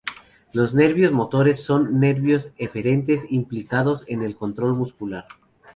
Los nervios motores son nervios eferentes implicados en el control muscular.